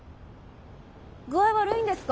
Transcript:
具合悪いんですか？